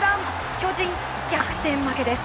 巨人、逆転負けです。